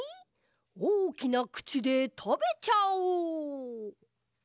おおきなくちでたべちゃおう！